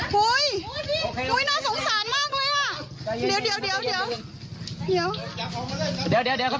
พี่ขอทะเบียนรถด้วยค่ะ